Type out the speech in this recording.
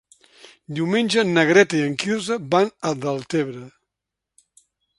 Diumenge na Greta i en Quirze van a Deltebre.